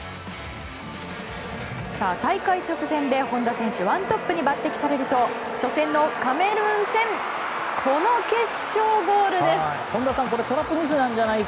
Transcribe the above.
大会直前で本田選手１トップに抜擢されると初戦のカメルーン戦この決勝ゴールです！